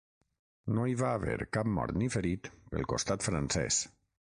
No hi va haver cap mort ni ferit pel costat francès.